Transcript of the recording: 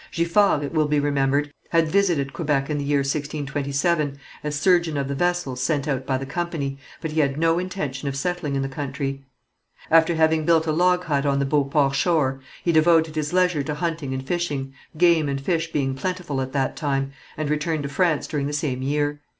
Giffard, it will be remembered, had visited Quebec in the year 1627 as surgeon of the vessels sent out by the company, but he had no intention of settling in the country. After having built a log hut on the Beauport shore, he devoted his leisure to hunting and fishing, game and fish being plentiful at that time, and returned to France during the same year.